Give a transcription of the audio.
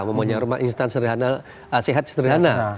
maksudnya rumah instansi sehat sederhana